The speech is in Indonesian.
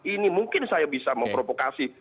ini mungkin saya bisa memprovokasi